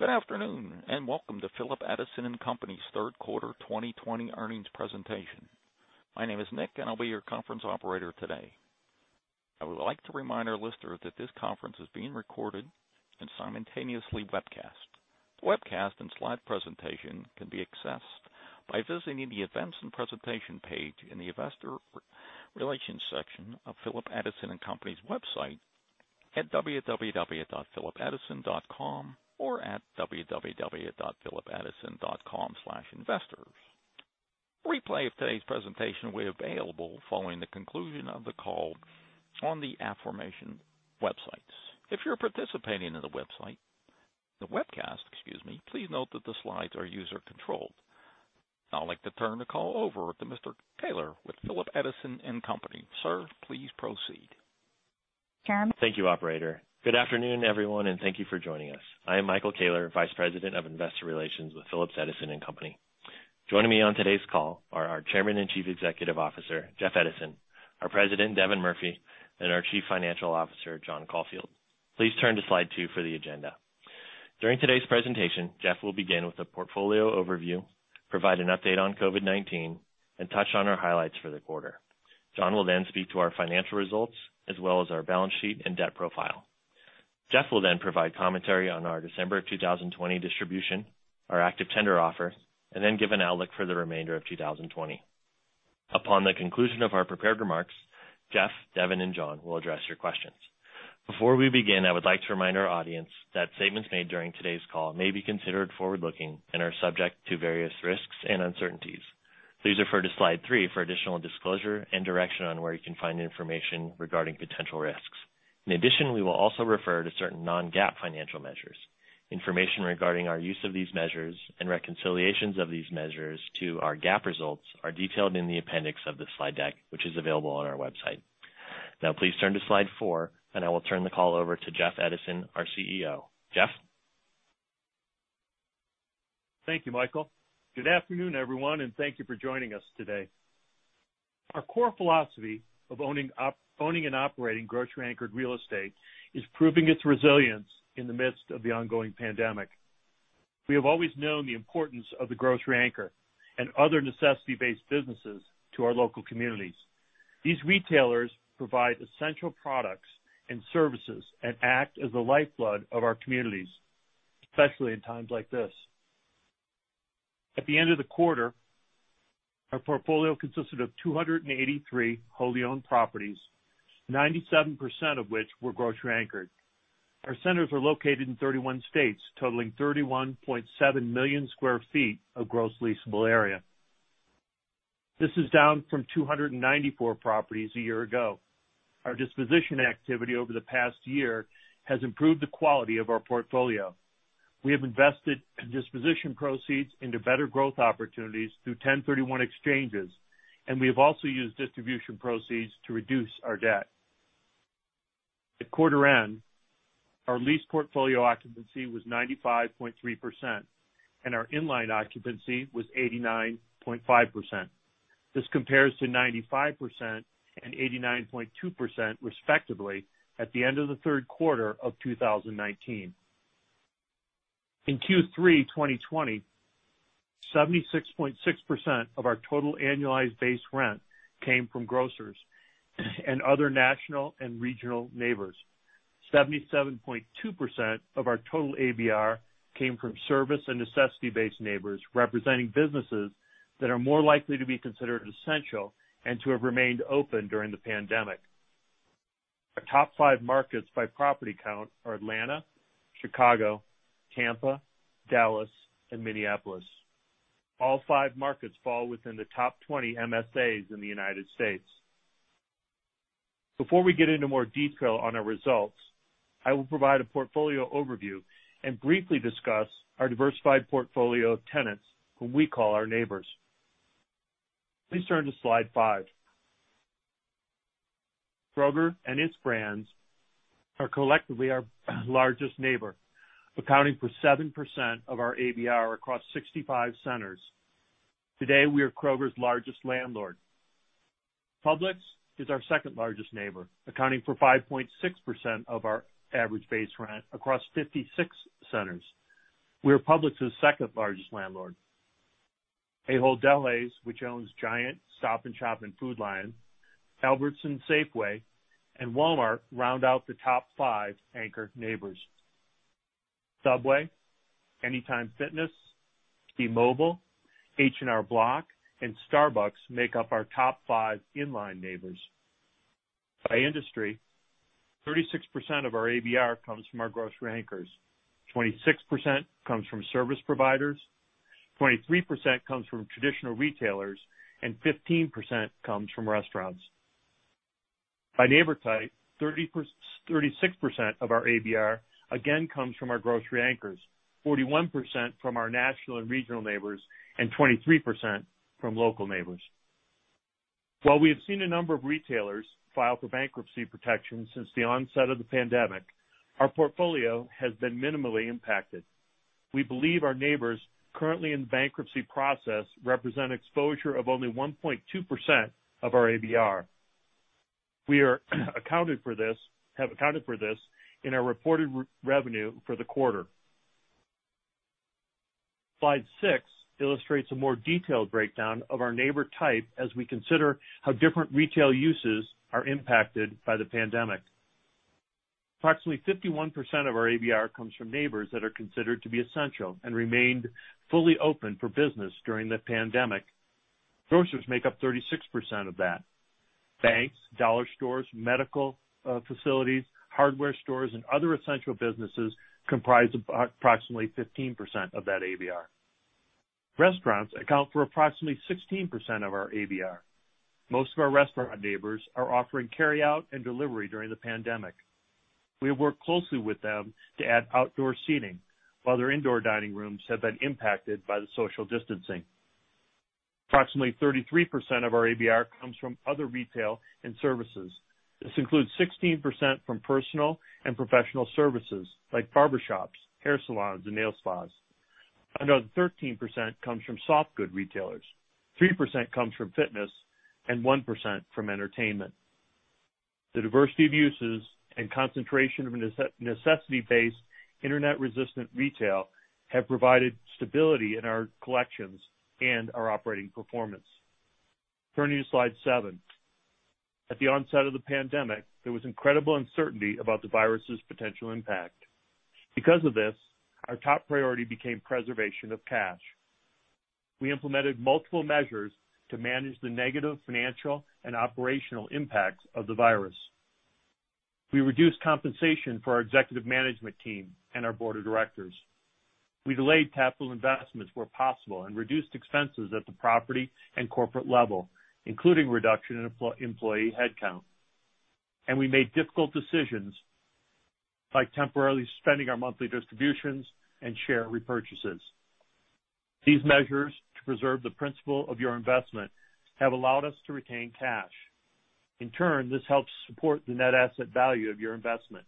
Good afternoon. Welcome to Phillips Edison & Company's third quarter 2020 earnings presentation. My name is Nick. I'll be your conference operator today. I would like to remind our listeners that this conference is being recorded and simultaneously webcast. The webcast and slide presentation can be accessed by visiting the Events and Presentation page in the Investor Relations section of Phillips Edison & Company's website at www.phillipsedison.com or at www.phillipsedison.com/investors. A replay of today's presentation will be available following the conclusion of the call on the aforementioned websites. If you're participating in the webcast, excuse me, please note that the slides are user-controlled. I'd like to turn the call over to Michael Koehler with Phillips Edison & Company. Sir, please proceed. Thank you, operator. Good afternoon, everyone, and thank you for joining us. I am Michael Koehler, Vice President of Investor Relations with Phillips Edison & Company. Joining me on today's call are our Chairman and Chief Executive Officer, Jeff Edison, our President, Devin Murphy, and our Chief Financial Officer, John Caulfield. Please turn to slide two for the agenda. During today's presentation, Jeff will begin with a portfolio overview, provide an update on COVID-19, and touch on our highlights for the quarter. John will then speak to our financial results as well as our balance sheet and debt profile. Jeff will then provide commentary on our December 2020 distribution, our active tender offer, and then give an outlook for the remainder of 2020. Upon the conclusion of our prepared remarks, Jeff, Devin, and John will address your questions. Before we begin, I would like to remind our audience that statements made during today's call may be considered forward-looking and are subject to various risks and uncertainties. Please refer to slide three for additional disclosure and direction on where you can find information regarding potential risks. In addition, we will also refer to certain non-GAAP financial measures. Information regarding our use of these measures and reconciliations of these measures to our GAAP results are detailed in the appendix of the slide deck, which is available on our website. Now, please turn to slide four, and I will turn the call over to Jeff Edison, our CEO. Jeff? Thank you, Michael. Good afternoon, everyone, and thank you for joining us today. Our core philosophy of owning and operating grocery-anchored real estate is proving its resilience in the midst of the ongoing pandemic. We have always known the importance of the grocery anchor and other necessity-based businesses to our local communities. These retailers provide essential products and services and act as the lifeblood of our communities, especially in times like this. At the end of the quarter, our portfolio consisted of 283 wholly owned properties, 97% of which were grocery anchored. Our centers are located in 31 states, totaling 31.7 million square feet of gross leasable area. This is down from 294 properties a year ago. Our disposition activity over the past year has improved the quality of our portfolio. We have invested disposition proceeds into better growth opportunities through 1031 exchanges, and we have also used disposition proceeds to reduce our debt. At quarter end, our lease portfolio occupancy was 95.3%, and our in-line occupancy was 89.5%. This compares to 95% and 89.2%, respectively, at the end of the third quarter of 2019. In Q3 2020, 76.6% of our total annualized base rent came from grocers and other national and regional neighbors. 77.2% of our total ABR came from service and necessity-based neighbors, representing businesses that are more likely to be considered essential and to have remained open during the pandemic. Our top five markets by property count are Atlanta, Chicago, Tampa, Dallas, and Minneapolis. All five markets fall within the top 20 MSAs in the United States. Before we get into more detail on our results, I will provide a portfolio overview and briefly discuss our diversified portfolio of tenants, whom we call our neighbors. Please turn to slide five. Kroger and its brands are collectively our largest neighbor, accounting for 7% of our ABR across 65 centers. Today, we are Kroger's largest landlord. Publix is our second-largest neighbor, accounting for 5.6% of our average base rent across 56 centers. We are Publix's second-largest landlord. Ahold Delhaize, which owns Giant, Stop & Shop, and Food Lion, Albertsons, Safeway, and Walmart round out the top five anchor neighbors. Subway, Anytime Fitness, T-Mobile, H&R Block, and Starbucks make up our top five in-line neighbors. By industry, 36% of our ABR comes from our grocery anchors, 26% comes from service providers, 23% comes from traditional retailers, and 15% comes from restaurants. By neighbor type, 36% of our ABR again comes from our grocery anchors, 41% from our national and regional neighbors, and 23% from local neighbors. While we have seen a number of retailers file for bankruptcy protection since the onset of the pandemic, our portfolio has been minimally impacted. We believe our neighbors currently in the bankruptcy process represent exposure of only 1.2% of our ABR. We have accounted for this in our reported revenue for the quarter. Slide six illustrates a more detailed breakdown of our neighbor type as we consider how different retail uses are impacted by the pandemic. Approximately 51% of our ABR comes from neighbors that are considered to be essential and remained fully open for business during the pandemic. Grocers make up 36% of that. Banks, dollar stores, medical facilities, hardware stores, and other essential businesses comprise approximately 15% of that ABR. Restaurants account for approximately 16% of our ABR. Most of our restaurant neighbors are offering carryout and delivery during the pandemic. We have worked closely with them to add outdoor seating, while their indoor dining rooms have been impacted by the social distancing. Approximately 33% of our ABR comes from other retail and services. This includes 16% from personal and professional services like barbershops, hair salons, and nail spas. Another 13% comes from soft good retailers, 3% comes from fitness, and 1% from entertainment. The diversity of uses and concentration of necessity-based internet-resistant retail have provided stability in our collections and our operating performance. Turning to slide seven. At the onset of the pandemic, there was incredible uncertainty about the virus's potential impact. Because of this, our top priority became preservation of cash. We implemented multiple measures to manage the negative financial and operational impacts of the virus. We reduced compensation for our executive management team and our board of directors. We delayed capital investments where possible and reduced expenses at the property and corporate level, including reduction in employee headcount. We made difficult decisions by temporarily suspending our monthly distributions and share repurchases. These measures to preserve the principle of your investment have allowed us to retain cash. In turn, this helps support the net asset value of your investment.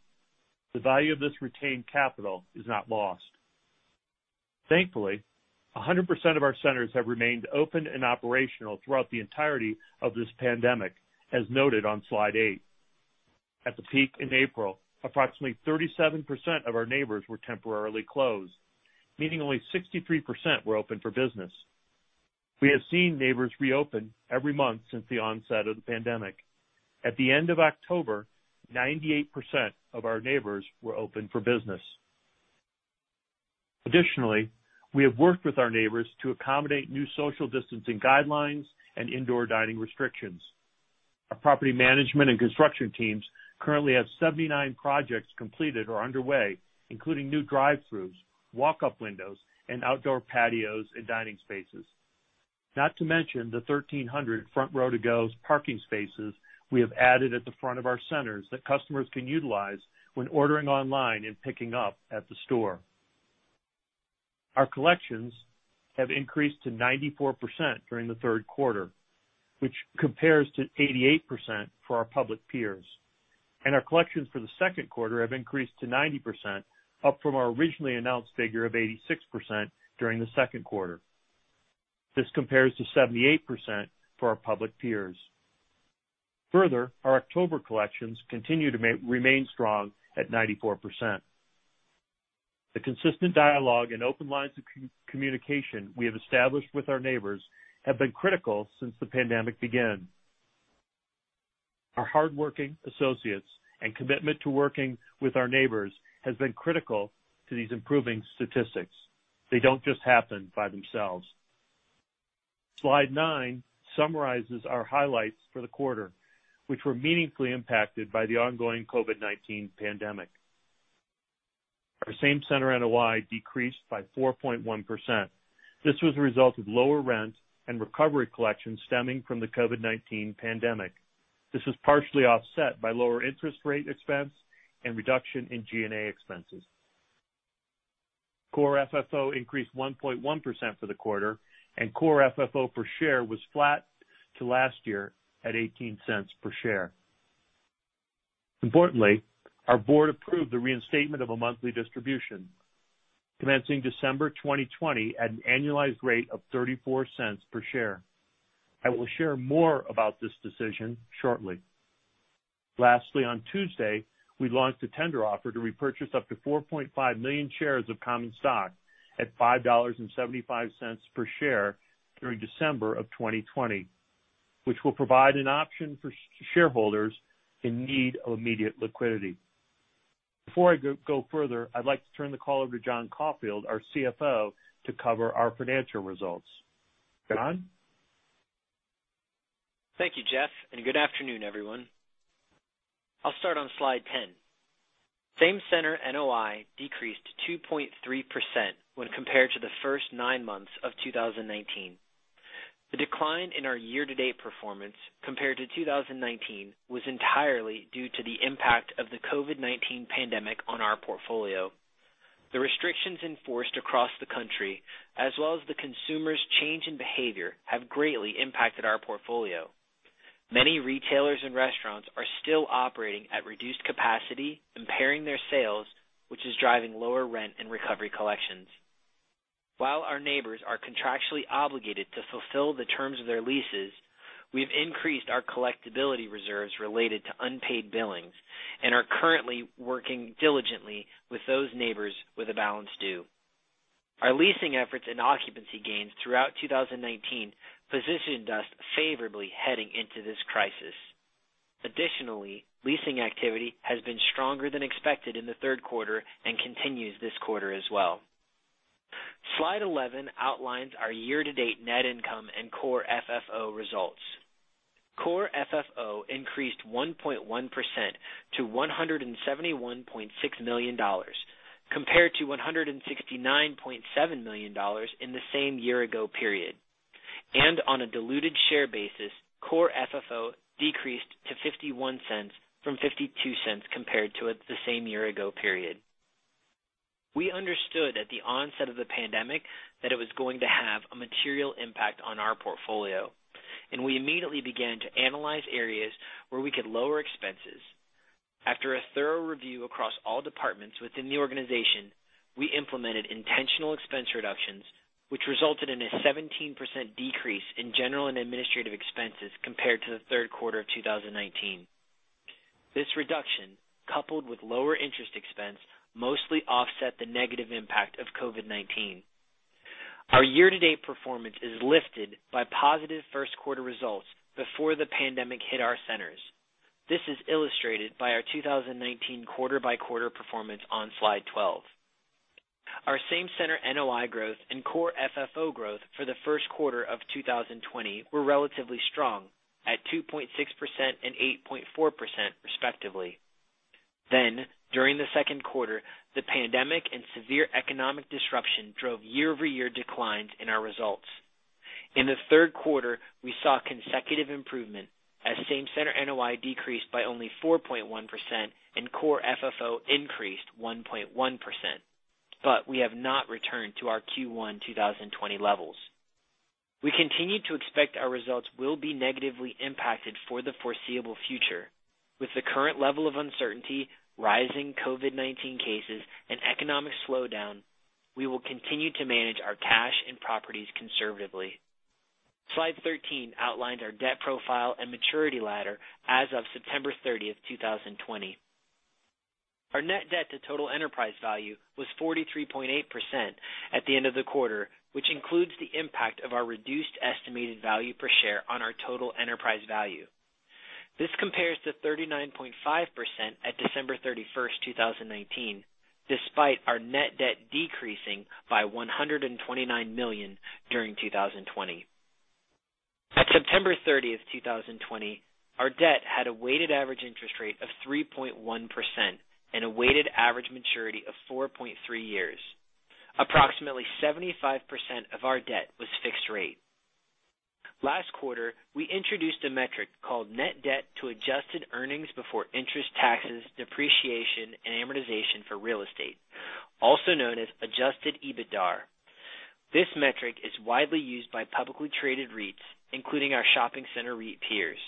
The value of this retained capital is not lost. Thankfully, 100% of our centers have remained open and operational throughout the entirety of this pandemic, as noted on slide eight. At the peak in April, approximately 37% of our neighbors were temporarily closed, meaning only 63% were open for business. We have seen neighbors reopen every month since the onset of the pandemic. At the end of October, 98% of our neighbors were open for business. Additionally, we have worked with our neighbors to accommodate new social distancing guidelines and indoor dining restrictions. Our property management and construction teams currently have 79 projects completed or underway, including new drive-throughs, walk-up windows, and outdoor patios and dining spaces. Not to mention the 1,300 front row to-go parking spaces we have added at the front of our centers that customers can utilize when ordering online and picking up at the store. Our collections have increased to 94% during the third quarter, which compares to 88% for our public peers. Our collections for the second quarter have increased to 90%, up from our originally announced figure of 86% during the second quarter. This compares to 78% for our public peers. Further, our October collections continue to remain strong at 94%. The consistent dialogue and open lines of communication we have established with our neighbors have been critical since the pandemic began. Our hardworking associates and commitment to working with our neighbors has been critical to these improving statistics. They don't just happen by themselves. Slide nine summarizes our highlights for the quarter, which were meaningfully impacted by the ongoing COVID-19 pandemic. Our Same-center NOI decreased by 4.1%. This was a result of lower rent and recovery collections stemming from the COVID-19 pandemic. This was partially offset by lower interest rate expense and reduction in G&A expenses. Core FFO increased 1.1% for the quarter, and Core FFO per share was flat to last year at $0.18 per share. Importantly, our board approved the reinstatement of a monthly distribution commencing December 2020 at an annualized rate of $0.34 per share. I will share more about this decision shortly. Lastly, on Tuesday, we launched a tender offer to repurchase up to 4.5 million shares of common stock at $5.75 per share during December of 2020, which will provide an option for shareholders in need of immediate liquidity. Before I go further, I'd like to turn the call over to John Caulfield, our CFO, to cover our financial results. John? Thank you, Jeff, and good afternoon, everyone. I'll start on slide 10. Same-center NOI decreased 2.3% when compared to the first nine months of 2019. The decline in our year-to-date performance compared to 2019 was entirely due to the impact of the COVID-19 pandemic on our portfolio. The restrictions enforced across the country, as well as the consumer's change in behavior, have greatly impacted our portfolio. Many retailers and restaurants are still operating at reduced capacity, impairing their sales, which is driving lower rent and recovery collections. While our neighbors are contractually obligated to fulfill the terms of their leases, we've increased our collectibility reserves related to unpaid billings and are currently working diligently with those neighbors with a balance due. Our leasing efforts and occupancy gains throughout 2019 positioned us favorably heading into this crisis. Additionally, leasing activity has been stronger than expected in the third quarter and continues this quarter as well. Slide 11 outlines our year-to-date net income and Core FFO results. Core FFO increased 1.1% to $171.6 million, compared to $169.7 million in the same year-ago period. On a diluted share basis, Core FFO decreased to $0.51 from $0.52 compared to the same year-ago period. We understood at the onset of the pandemic that it was going to have a material impact on our portfolio, and we immediately began to analyze areas where we could lower expenses. After a thorough review across all departments within the organization, we implemented intentional expense reductions, which resulted in a 17% decrease in general and administrative expenses compared to the third quarter of 2019. This reduction, coupled with lower interest expense, mostly offset the negative impact of COVID-19. Our year-to-date performance is lifted by positive first quarter results before the pandemic hit our centers. This is illustrated by our 2019 quarter-by-quarter performance on slide 12. Our same-center NOI growth and core FFO growth for the first quarter of 2020 were relatively strong at 2.6% and 8.4%, respectively. During the second quarter, the pandemic and severe economic disruption drove year-over-year declines in our results. In the third quarter, we saw consecutive improvement as same-center NOI decreased by only 4.1% and core FFO increased 1.1%. We have not returned to our Q1 2020 levels. We continue to expect our results will be negatively impacted for the foreseeable future. With the current level of uncertainty, rising COVID-19 cases, and economic slowdown, we will continue to manage our cash and properties conservatively. Slide 13 outlines our debt profile and maturity ladder as of September 30th, 2020. Our net debt to total enterprise value was 43.8% at the end of the quarter, which includes the impact of our reduced estimated value per share on our total enterprise value. This compares to 39.5% at December 31st, 2019, despite our net debt decreasing by $129 million during 2020. At September 30th, 2020, our debt had a weighted average interest rate of 3.1% and a weighted average maturity of 4.3 years. Approximately 75% of our debt was fixed rate. Last quarter, we introduced a metric called net debt to adjusted earnings before interest, taxes, depreciation, and amortization for real estate, also known as adjusted EBITDAre. This metric is widely used by publicly traded REITs, including our shopping center REIT peers.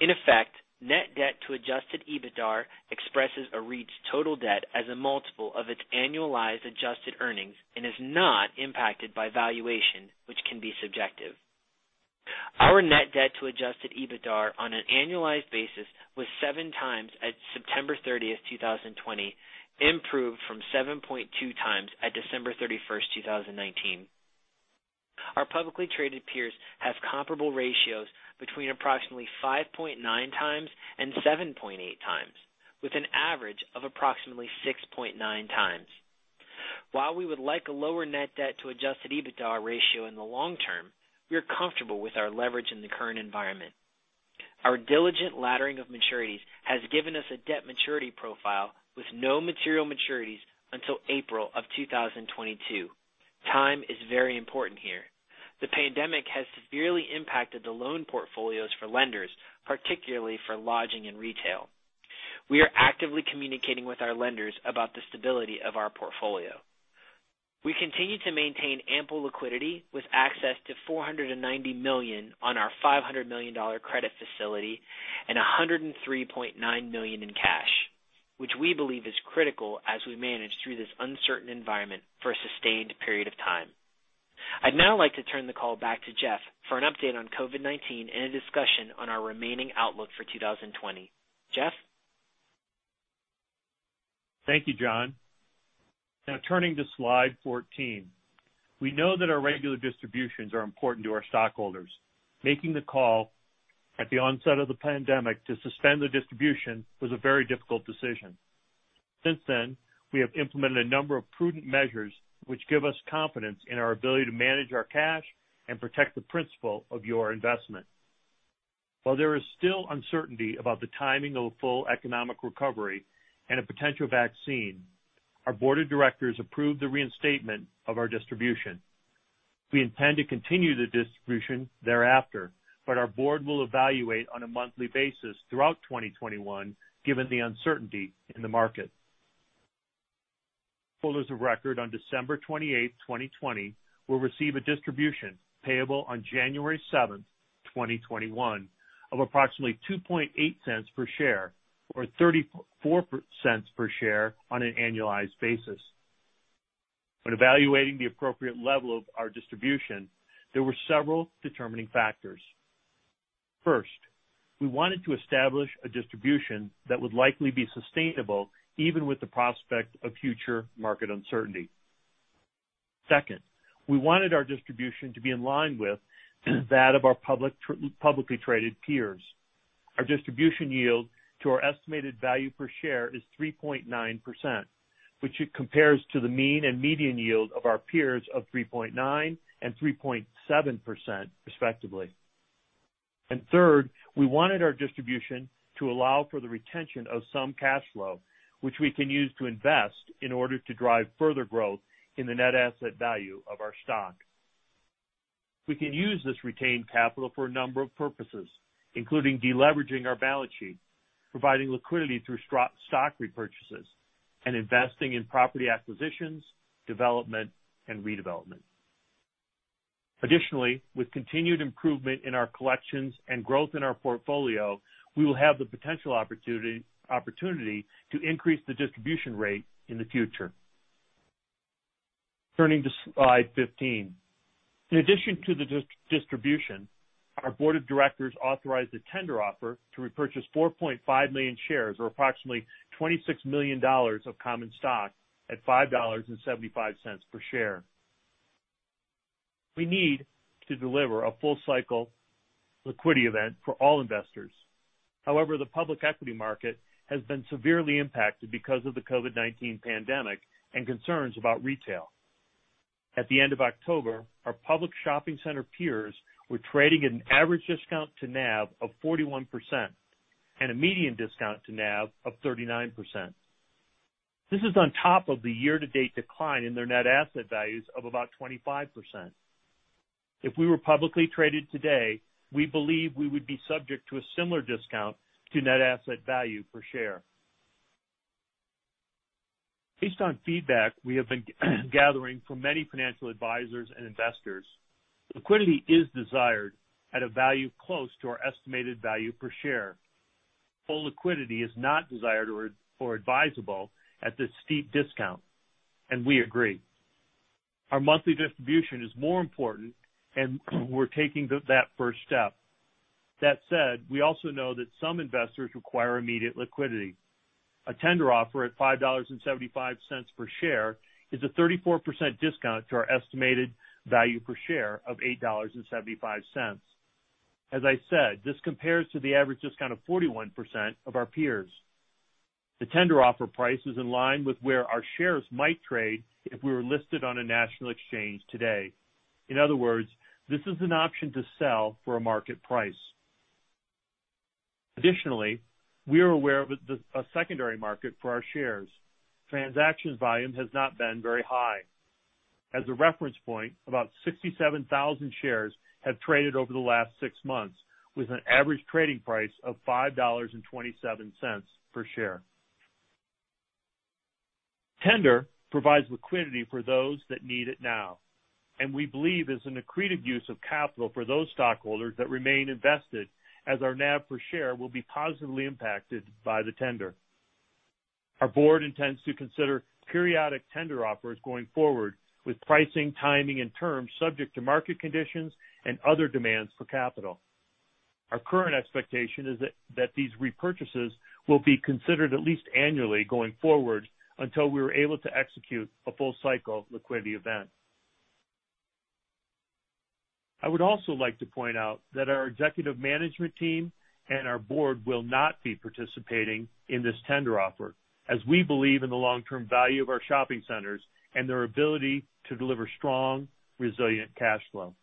In effect, net debt to adjusted EBITDAre expresses a REIT's total debt as a multiple of its annualized adjusted earnings and is not impacted by valuation, which can be subjective. Our net debt to adjusted EBITDAre on an annualized basis was seven times at September 30th, 2020, improved from 7.2 times at December 31st, 2019. Our publicly traded peers have comparable ratios between approximately 5.9 times and 7.8 times, with an average of approximately 6.9 times. While we would like a lower net debt to adjusted EBITDAre ratio in the long term, we are comfortable with our leverage in the current environment. Our diligent laddering of maturities has given us a debt maturity profile with no material maturities until April of 2022. Time is very important here. The pandemic has severely impacted the loan portfolios for lenders, particularly for lodging and retail. We are actively communicating with our lenders about the stability of our portfolio. We continue to maintain ample liquidity with access to $490 million on our $500 million credit facility and $103.9 million in cash, which we believe is critical as we manage through this uncertain environment for a sustained period of time. I'd now like to turn the call back to Jeff for an update on COVID-19 and a discussion on our remaining outlook for 2020. Jeff? Thank you, John. Turning to slide 14. We know that our regular distributions are important to our stockholders. Making the call at the onset of the pandemic to suspend the distribution was a very difficult decision. Since then, we have implemented a number of prudent measures which give us confidence in our ability to manage our cash and protect the principle of your investment. While there is still uncertainty about the timing of a full economic recovery and a potential vaccine, our board of directors approved the reinstatement of our distribution. We intend to continue the distribution thereafter, but our board will evaluate on a monthly basis throughout 2021, given the uncertainty in the market. Holders of record on December 28, 2020, will receive a distribution payable on January 7, 2021, of approximately $0.028 per share, or $0.34 per share on an annualized basis. When evaluating the appropriate level of our distribution, there were several determining factors. First, we wanted to establish a distribution that would likely be sustainable even with the prospect of future market uncertainty. Second, we wanted our distribution to be in line with that of our publicly traded peers. Our distribution yield to our estimated value per share is 3.9%, which compares to the mean and median yield of our peers of 3.9% and 3.7%, respectively. Third, we wanted our distribution to allow for the retention of some cash flow, which we can use to invest in order to drive further growth in the net asset value of our stock. We can use this retained capital for a number of purposes, including de-leveraging our balance sheet, providing liquidity through stock repurchases, and investing in property acquisitions, development, and redevelopment. Additionally, with continued improvement in our collections and growth in our portfolio, we will have the potential opportunity to increase the distribution rate in the future. Turning to slide 15. In addition to the distribution, our board of directors authorized a tender offer to repurchase 4.5 million shares, or approximately $26 million of common stock, at $5.75 per share. We need to deliver a full-cycle liquidity event for all investors. The public equity market has been severely impacted because of the COVID-19 pandemic and concerns about retail. At the end of October, our public shopping center peers were trading at an average discount to NAV of 41% and a median discount to NAV of 39%. This is on top of the year-to-date decline in their net asset values of about 25%. If we were publicly traded today, we believe we would be subject to a similar discount to net asset value per share. Based on feedback we have been gathering from many financial advisors and investors, liquidity is desired at a value close to our estimated value per share. Full liquidity is not desired or advisable at this steep discount, and we agree. Our monthly distribution is more important, and we're taking that first step. That said, we also know that some investors require immediate liquidity. A tender offer at $5.75 per share is a 34% discount to our estimated value per share of $8.75. As I said, this compares to the average discount of 41% of our peers. The tender offer price is in line with where our shares might trade if we were listed on a national exchange today. In other words, this is an option to sell for a market price. Additionally, we are aware of a secondary market for our shares. Transaction volume has not been very high. As a reference point, about 67,000 shares have traded over the last six months, with an average trading price of $5.27 per share. Tender provides liquidity for those that need it now, and we believe is an accretive use of capital for those stockholders that remain invested, as our NAV per share will be positively impacted by the tender. Our board intends to consider periodic tender offers going forward, with pricing, timing, and terms subject to market conditions and other demands for capital. Our current expectation is that these repurchases will be considered at least annually going forward until we are able to execute a full-cycle liquidity event. I would also like to point out that our executive management team and our board will not be participating in this tender offer, as we believe in the long-term value of our shopping centers and their ability to deliver strong, resilient cash flow.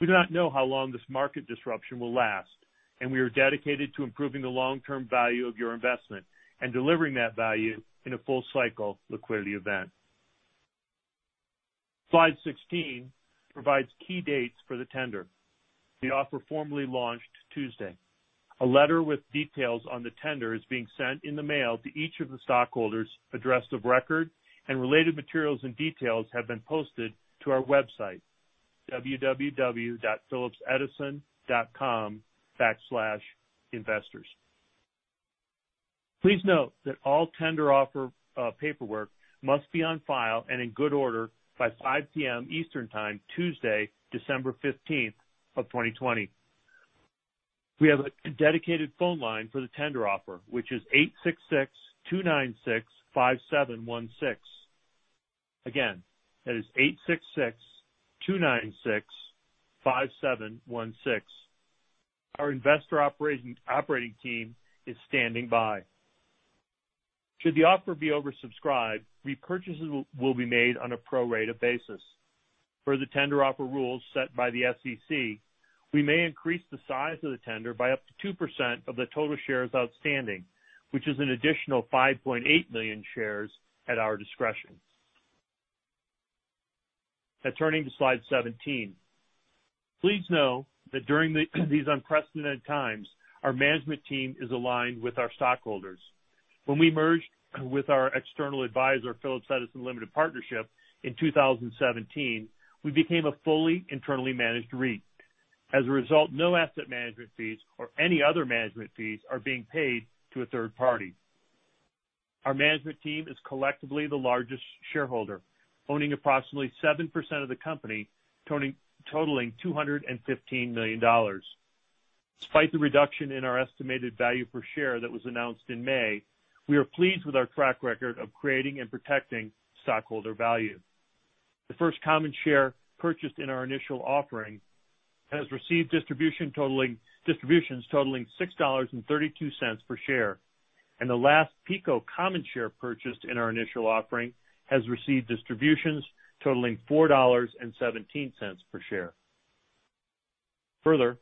We do not know how long this market disruption will last, and we are dedicated to improving the long-term value of your investment and delivering that value in a full-cycle liquidity event. Slide 16 provides key dates for the tender. The offer formally launched Tuesday. A letter with details on the tender is being sent in the mail to each of the stockholders addressed of record, and related materials and details have been posted to our website, www.phillipsedison.com/investors. Please note that all tender offer paperwork must be on file and in good order by 5:00 P.M. Eastern Time, Tuesday, December 15th of 2020. We have a dedicated phone line for the tender offer, which is 866-296-5716. Again, that is 866-296-5716. Our investor operating team is standing by. Should the offer be oversubscribed, repurchases will be made on a pro rata basis. Per the tender offer rules set by the SEC, we may increase the size of the tender by up to 2% of the total shares outstanding, which is an additional 5.8 million shares at our discretion. Turning to slide 17. Please know that during these unprecedented times, our management team is aligned with our stockholders. When we merged with our external advisor, Phillips Edison Limited Partnership, in 2017, we became a fully internally managed REIT. As a result, no asset management fees or any other management fees are being paid to a third party. Our management team is collectively the largest shareholder, owning approximately 7% of the company, totaling $215 million. Despite the reduction in our estimated value per share that was announced in May, we are pleased with our track record of creating and protecting stockholder value. The first common share purchased in our initial offering has received distributions totaling $6.32 per share, and the last PECO common share purchased in our initial offering has received distributions totaling $4.17 per share. Further,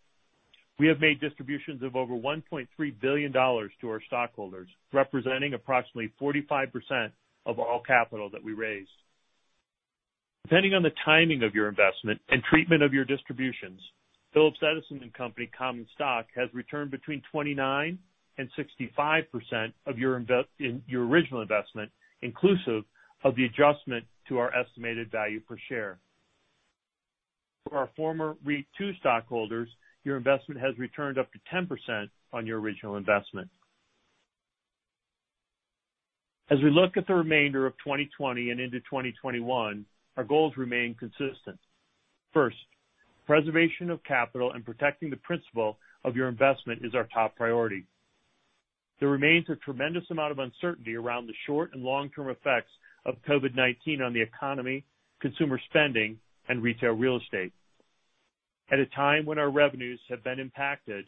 we have made distributions of over $1.3 billion to our stockholders, representing approximately 45% of all capital that we raised. Depending on the timing of your investment and treatment of your distributions, Phillips Edison & Company common stock has returned between 29% and 65% of your original investment, inclusive of the adjustment to our estimated value per share. For our former REIT 2 stockholders, your investment has returned up to 10% on your original investment. As we look at the remainder of 2020 and into 2021, our goals remain consistent. First, preservation of capital and protecting the principle of your investment is our top priority. There remains a tremendous amount of uncertainty around the short and long-term effects of COVID-19 on the economy, consumer spending, and retail real estate. At a time when our revenues have been impacted,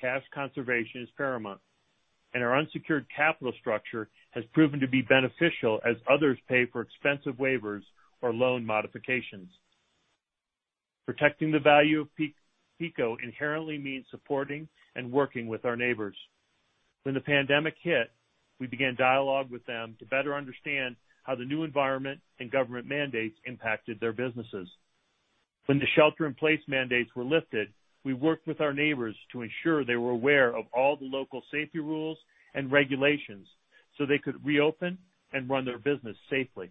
cash conservation is paramount, and our unsecured capital structure has proven to be beneficial as others pay for expensive waivers or loan modifications. Protecting the value of PECO inherently means supporting and working with our neighbors. When the pandemic hit, we began dialogue with them to better understand how the new environment and government mandates impacted their businesses. When the shelter-in-place mandates were lifted, we worked with our neighbors to ensure they were aware of all the local safety rules and regulations so they could reopen and run their business safely.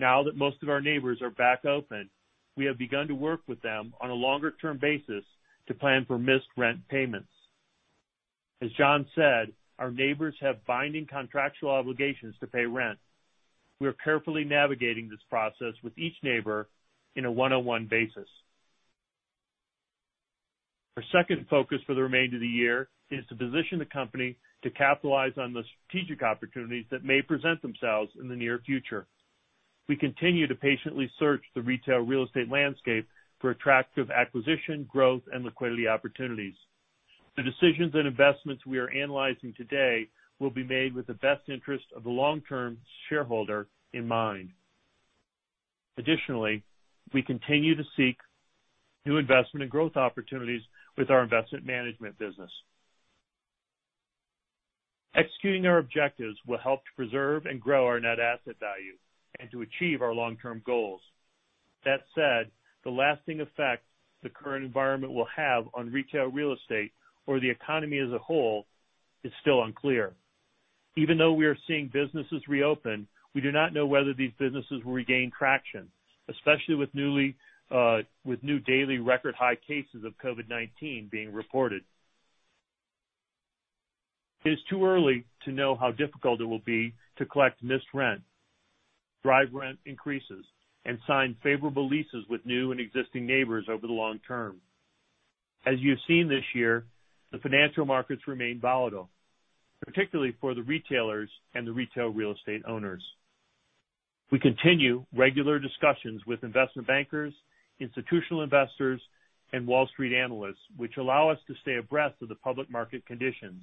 Now that most of our neighbors are back open, we have begun to work with them on a longer-term basis to plan for missed rent payments. As John said, our neighbors have binding contractual obligations to pay rent. We are carefully navigating this process with each neighbor in a one-on-one basis. Our second focus for the remainder of the year is to position the company to capitalize on the strategic opportunities that may present themselves in the near future. We continue to patiently search the retail real estate landscape for attractive acquisition growth and liquidity opportunities. The decisions and investments we are analyzing today will be made with the best interest of the long-term shareholder in mind. Additionally, we continue to seek new investment and growth opportunities with our investment management business. Executing our objectives will help to preserve and grow our net asset value and to achieve our long-term goals. The lasting effect the current environment will have on retail real estate or the economy as a whole is still unclear. We are seeing businesses reopen, we do not know whether these businesses will regain traction, especially with new daily record high cases of COVID-19 being reported. It is too early to know how difficult it will be to collect missed rent, drive rent increases, and sign favorable leases with new and existing neighbors over the long term. As you have seen this year, the financial markets remain volatile, particularly for the retailers and the retail real estate owners. We continue regular discussions with investment bankers, institutional investors, and Wall Street analysts, which allow us to stay abreast of the public market conditions.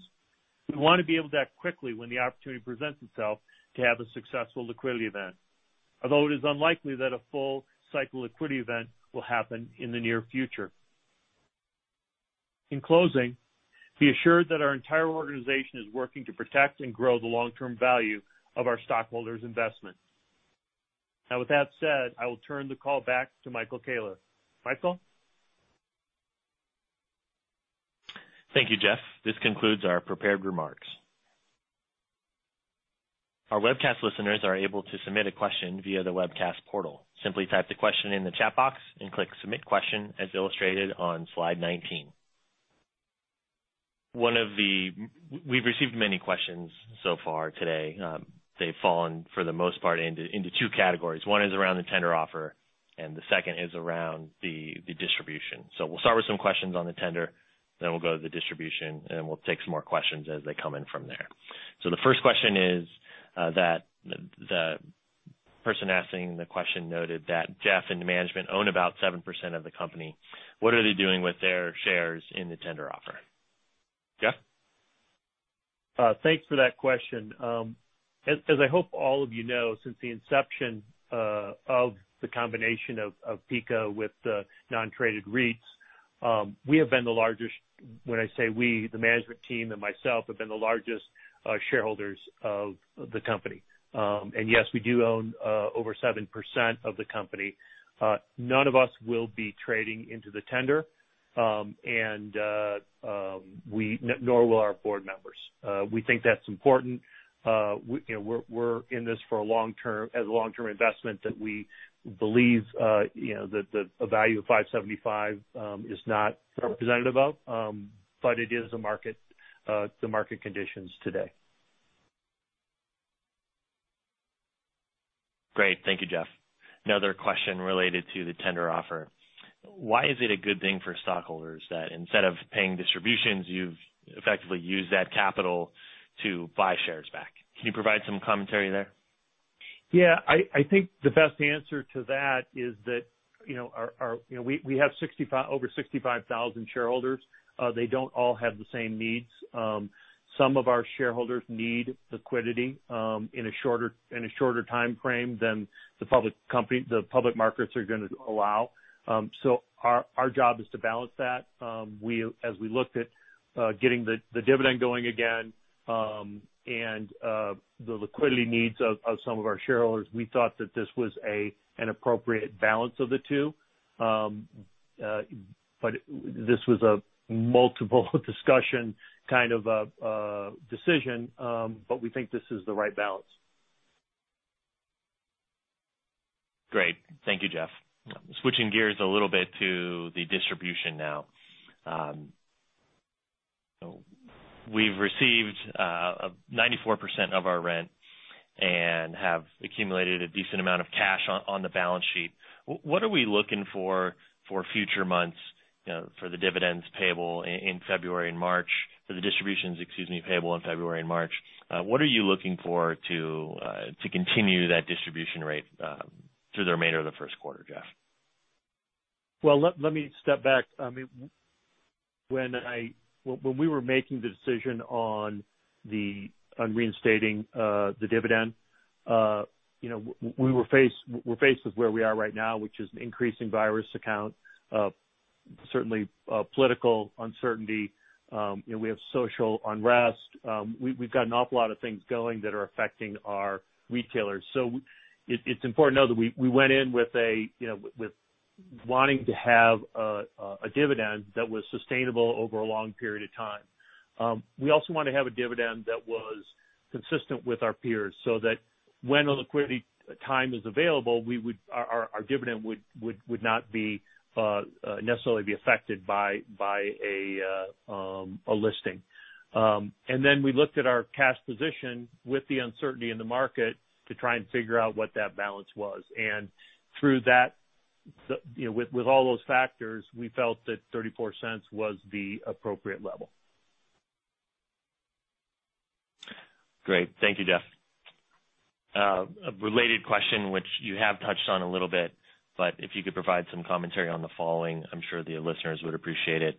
We want to be able to act quickly when the opportunity presents itself to have a successful liquidity event. Although it is unlikely that a full cycle liquidity event will happen in the near future. In closing, be assured that our entire organization is working to protect and grow the long-term value of our stockholders' investment. Now, with that said, I will turn the call back to Michael Koehler. Michael? Thank you, Jeff. This concludes our prepared remarks. Our webcast listeners are able to submit a question via the webcast portal. Simply type the question in the chat box and click Submit Question as illustrated on slide 19. We've received many questions so far today. They've fallen, for the most part, into two categories. One is around the tender offer, and the second is around the distribution. We'll start with some questions on the tender, then we'll go to the distribution, and then we'll take some more questions as they come in from there. The first question is that the person asking the question noted that Jeff and management own about 7% of the company. What are they doing with their shares in the tender offer? Jeff? Thanks for that question. I hope all of you know, since the inception of the combination of PECO with the non-traded REITs, we have been the largest. When I say we, the management team and myself have been the largest shareholders of the company. Yes, we do own over 7% of the company. None of us will be trading into the tender, nor will our board members. We think that's important. We're in this as a long-term investment that we believe that the value of $5.75 is not representative of, but it is the market conditions today. Great. Thank you, Jeff. Another question related to the tender offer. Why is it a good thing for stockholders that instead of paying distributions, you've effectively used that capital to buy shares back? Can you provide some commentary there? I think the best answer to that is that we have over 65,000 shareholders. They don't all have the same needs. Some of our shareholders need liquidity in a shorter timeframe than the public markets are going to allow. Our job is to balance that. As we looked at getting the dividend going again, and the liquidity needs of some of our shareholders, we thought that this was an appropriate balance of the two. This was a multiple discussion kind of a decision, but we think this is the right balance. Great. Thank you, Jeff. Switching gears a little bit to the distribution now. We've received 94% of our rent and have accumulated a decent amount of cash on the balance sheet. What are we looking for future months for the dividends payable in February and March for the distributions, excuse me, payable in February and March? What are you looking for to continue that distribution rate through the remainder of the first quarter, Jeff? Well, let me step back. When we were making the decision on reinstating the dividend, we're faced with where we are right now, which is increasing virus count, certainly political uncertainty. We have social unrest. We've got an awful lot of things going that are affecting our retailers. It's important to know that we went in with wanting to have a dividend that was sustainable over a long period of time. We also wanted to have a dividend that was consistent with our peers so that when a liquidity time is available our dividend would not necessarily be affected by a listing. We looked at our cash position with the uncertainty in the market to try and figure out what that balance was. Through that, with all those factors, we felt that $0.34 was the appropriate level. Great. Thank you, Jeff. A related question which you have touched on a little bit, if you could provide some commentary on the following, I'm sure the listeners would appreciate it.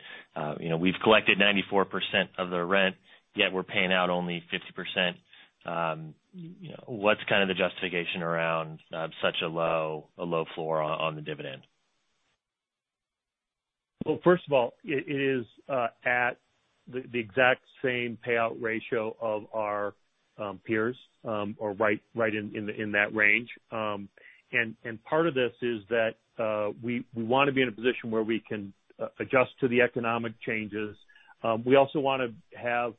We've collected 94% of the rent, we're paying out only 50%. What's kind of the justification around such a low floor on the dividend? First of all, it is at the exact same payout ratio of our peers, or right in that range. Part of this is that we want to be in a position where we can adjust to the economic changes. We also want to have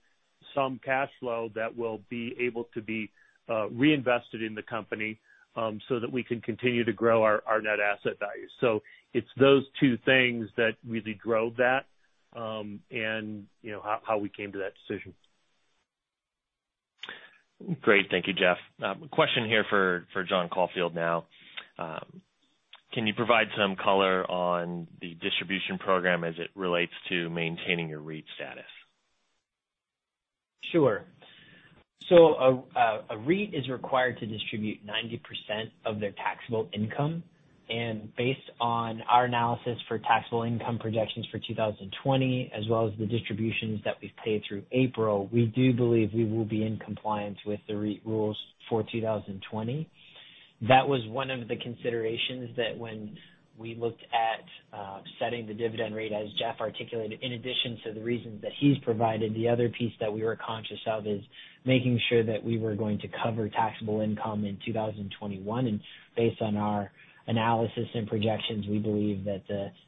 some cash flow that will be able to be reinvested in the company, so that we can continue to grow our net asset value. It's those two things that really drove that, and how we came to that decision. Great. Thank you, Jeff. A question here for John Caulfield now. Can you provide some color on the distribution program as it relates to maintaining your REIT status? Sure. A REIT is required to distribute 90% of their taxable income, and based on our analysis for taxable income projections for 2020, as well as the distributions that we've paid through April, we do believe we will be in compliance with the REIT rules for 2020. That was one of the considerations that when we looked at setting the dividend rate, as Jeff articulated, in addition to the reasons that he's provided, the other piece that we were conscious of is making sure that we were going to cover taxable income in 2021, and based on our analysis and projections, we believe that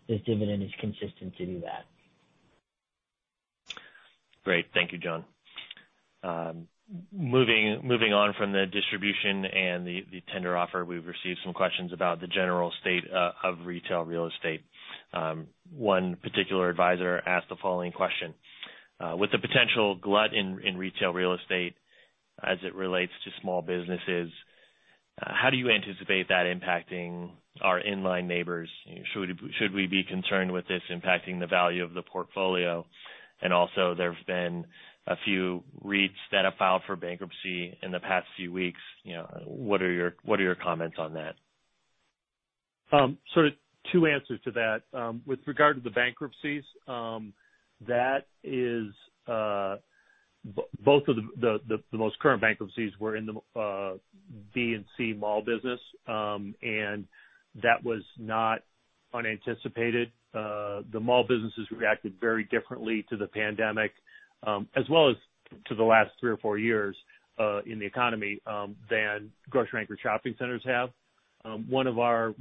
this dividend is consistent to do that. Great. Thank you, John. Moving on from the distribution and the tender offer, we've received some questions about the general state of retail real estate. One particular advisor asked the following question. With the potential glut in retail real estate as it relates to small businesses, how do you anticipate that impacting our inline neighbors? Should we be concerned with this impacting the value of the portfolio? Also, there have been a few REITs that have filed for bankruptcy in the past few weeks, what are your comments on that? Sort of two answers to that. With regard to the bankruptcies, both of the most current bankruptcies were in the B and C mall business, and that was not unanticipated. The mall businesses reacted very differently to the pandemic, as well as to the last three or four years in the economy, than grocery anchor shopping centers have. One of our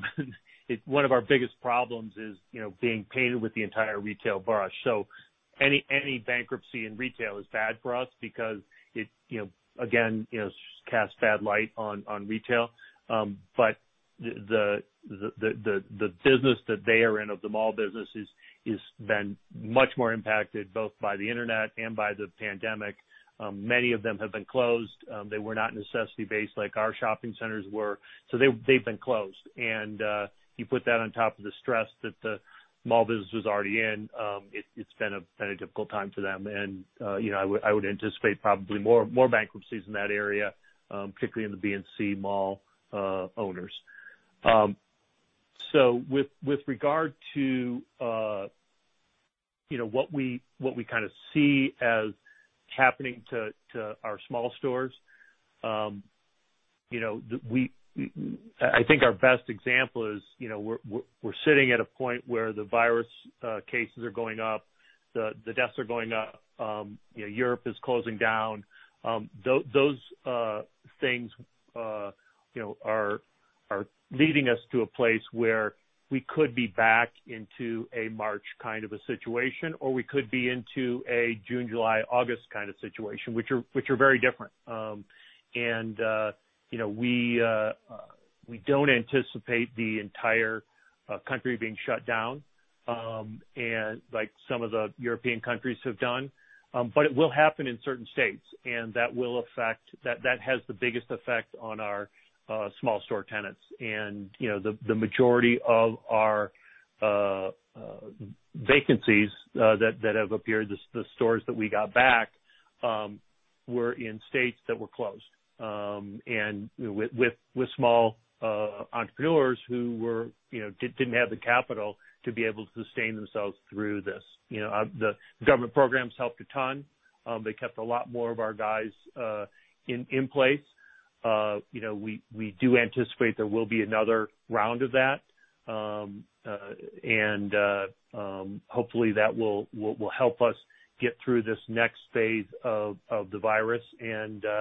biggest problems is being painted with the entire retail brush. Any bankruptcy in retail is bad for us because it, again, casts bad light on retail. The business that they are in, of the mall business, has been much more impacted both by the internet and by the pandemic. Many of them have been closed. They were not necessity-based like our shopping centers were, so they've been closed. You put that on top of the stress that the mall business was already in, it's been a very difficult time for them. I would anticipate probably more bankruptcies in that area, particularly in the B and C mall owners. With regard to what we kind of see as happening to our small stores, I think our best example is we're sitting at a point where the virus cases are going up, the deaths are going up, Europe is closing down. Those things are leading us to a place where we could be back into a March kind of a situation, or we could be into a June, July, August kind of situation, which are very different. We don't anticipate the entire country being shut down like some of the European countries have done. It will happen in certain states, and that has the biggest effect on our small store tenants. The majority of our vacancies that have appeared, the stores that we got back, were in states that were closed, and with small entrepreneurs who didn't have the capital to be able to sustain themselves through this. The government programs helped a ton. They kept a lot more of our guys in place. We do anticipate there will be another round of that, and hopefully, that will help us get through this next phase of the virus. It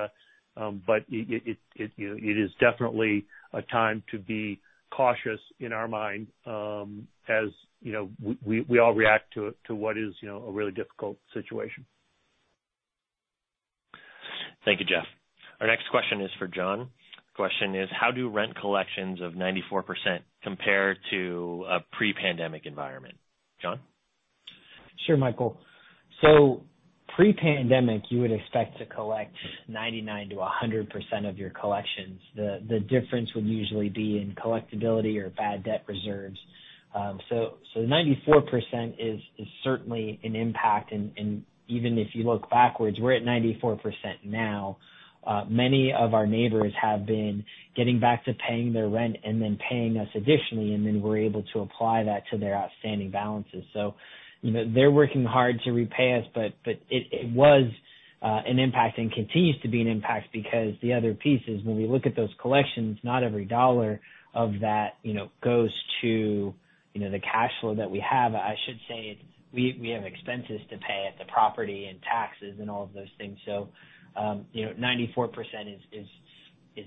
is definitely a time to be cautious in our mind, as we all react to what is a really difficult situation. Thank you, Jeff. Our next question is for John. Question is, how do rent collections of 94% compare to a pre-pandemic environment? John? Sure, Michael. Pre-pandemic, you would expect to collect 99%-100% of your collections. The difference would usually be in collectibility or bad debt reserves. 94% is certainly an impact. Even if you look backwards, we're at 94% now. Many of our neighbors have been getting back to paying their rent and then paying us additionally, and then we're able to apply that to their outstanding balances. They're working hard to repay us. It was an impact and continues to be an impact because the other piece is when we look at those collections, not every dollar of that goes to the cash flow that we have. I should say we have expenses to pay at the property and taxes and all of those things. 94% is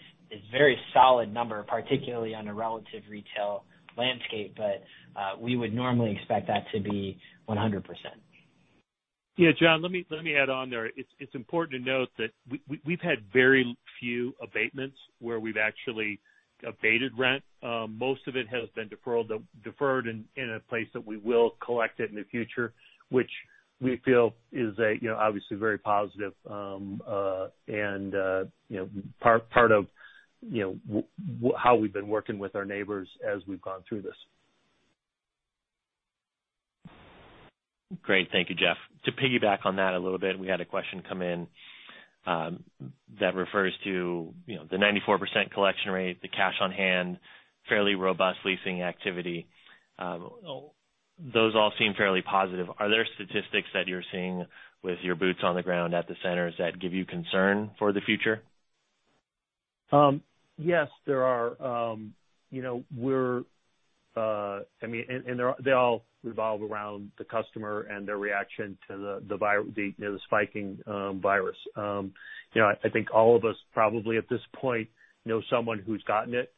very solid number, particularly on a relative retail landscape. we would normally expect that to be 100%. Yeah, John, let me add on there. It's important to note that we've had very few abatements where we've actually abated rent. Most of it has been deferred in a place that we will collect it in the future, which we feel is obviously very positive, and part of how we've been working with our neighbors as we've gone through this. Great. Thank you, Jeff. To piggyback on that a little bit, we had a question come in that refers to the 94% collection rate, the cash on hand, fairly robust leasing activity. Those all seem fairly positive. Are there statistics that you're seeing with your boots on the ground at the centers that give you concern for the future? Yes, there are. They all revolve around the customer and their reaction to the spiking virus. I think all of us probably at this point know someone who's gotten it,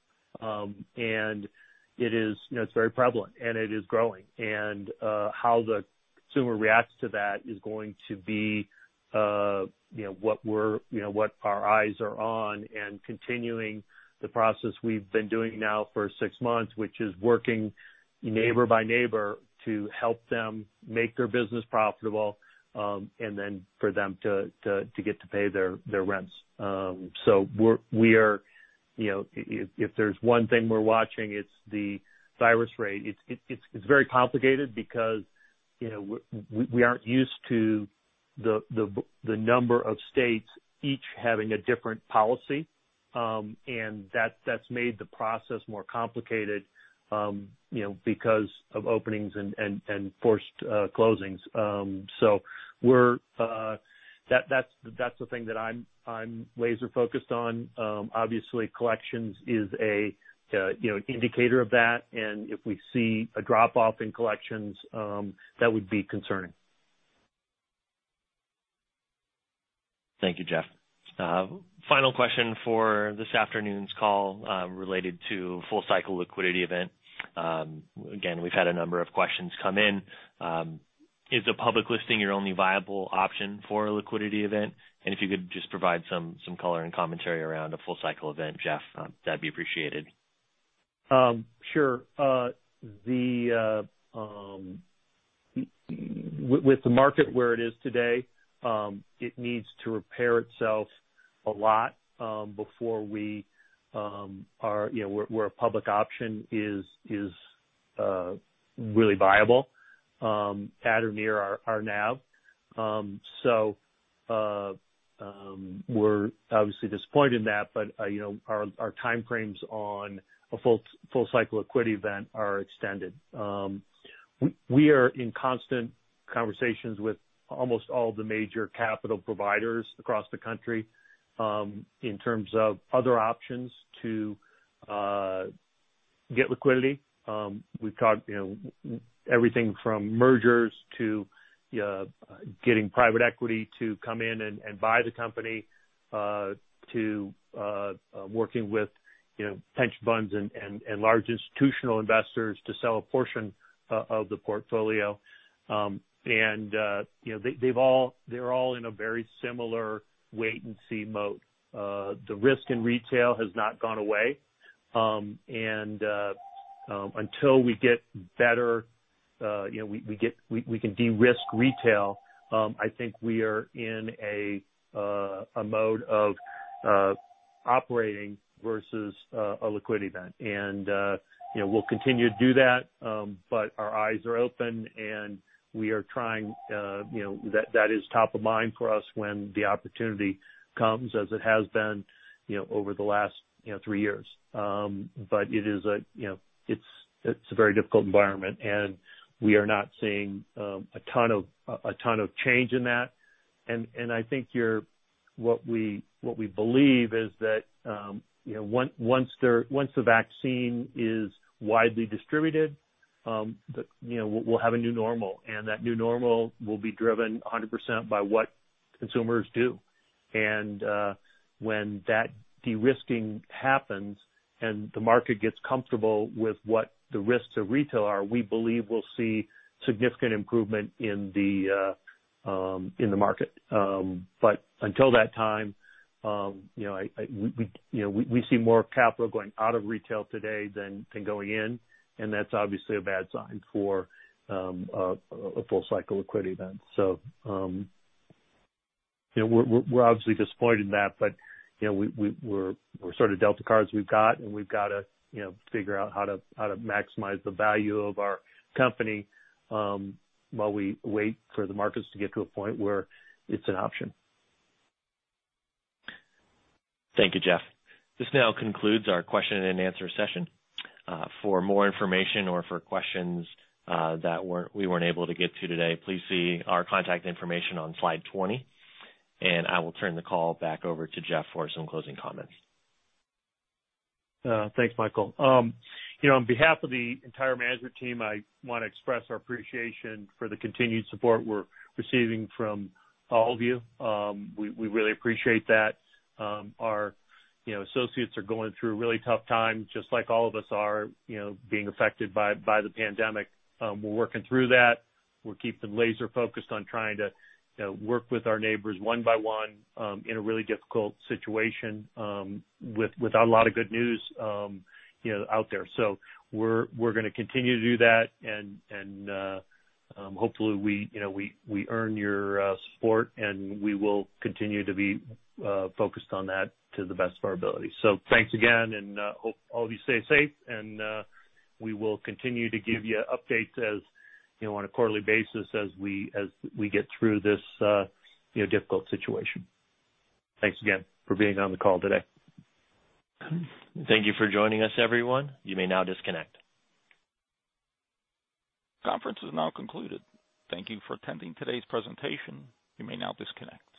and it's very prevalent, and it is growing. How the consumer reacts to that is going to be what our eyes are on and continuing the process we've been doing now for six months, which is working neighbor by neighbor to help them make their business profitable, and then for them to get to pay their rents. If there's one thing we're watching, it's the virus rate. It's very complicated because we aren't used to the number of states each having a different policy. That's made the process more complicated because of openings and forced closings. That's the thing that I'm laser focused on. Obviously, collections is an indicator of that, and if we see a drop-off in collections, that would be concerning. Thank you, Jeff. Final question for this afternoon's call related to full cycle liquidity event. Again, we've had a number of questions come in. Is the public listing your only viable option for a liquidity event? If you could just provide some color and commentary around a full cycle event, Jeff, that'd be appreciated. Sure. With the market where it is today, it needs to repair itself a lot before where a public option is really viable at or near our NAV. We're obviously disappointed in that, but our time frames on a full cycle liquidity event are extended. We are in constant conversations with almost all the major capital providers across the country in terms of other options to get liquidity. We've talked everything from mergers to getting private equity to come in and buy the company, to working with pension funds and large institutional investors to sell a portion of the portfolio. They're all in a very similar wait and see mode. The risk in retail has not gone away. Until we can de-risk retail, I think we are in a mode of operating versus a liquidity event. We'll continue to do that, but our eyes are open, and we are trying. That is top of mind for us when the opportunity comes, as it has been over the last three years. It's a very difficult environment, and we are not seeing a ton of change in that. I think what we believe is that once the vaccine is widely distributed, we'll have a new normal, and that new normal will be driven 100% by what consumers do. When that de-risking happens and the market gets comfortable with what the risks of retail are, we believe we'll see significant improvement in the market. Until that time, we see more capital going out of retail today than going in, and that's obviously a bad sign for a full cycle liquidity event. We're obviously disappointed in that, but we're sort of dealt the cards we've got, and we've got to figure out how to maximize the value of our company while we wait for the markets to get to a point where it's an option. Thank you, Jeff. This now concludes our question and answer session. For more information or for questions that we weren't able to get to today, please see our contact information on slide 20, and I will turn the call back over to Jeff for some closing comments. Thanks, Michael. On behalf of the entire management team, I want to express our appreciation for the continued support we're receiving from all of you. We really appreciate that. Our associates are going through a really tough time, just like all of us are being affected by the pandemic. We're working through that. We're keeping laser focused on trying to work with our neighbors one by one in a really difficult situation without a lot of good news out there. We're going to continue to do that, and hopefully we earn your support, and we will continue to be focused on that to the best of our ability. Thanks again, and hope all of you stay safe, and we will continue to give you updates on a quarterly basis as we get through this difficult situation. Thanks again for being on the call today. Thank you for joining us, everyone. You may now disconnect. Conference is now concluded. Thank you for attending today's presentation. You may now disconnect.